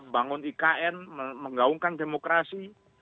bangun ikn menggaungkan demokrasi